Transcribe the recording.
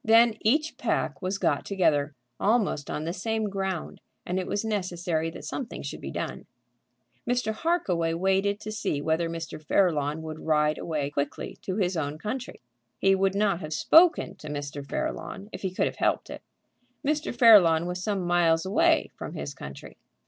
Then each pack was got together, almost on the same ground, and it was necessary that something should be done. Mr. Harkaway waited to see whether Mr. Fairlawn would ride away quickly to his own country. He would not have spoken to Mr. Fairlawn if he could have helped it. Mr. Fairlawn was some miles away from his country.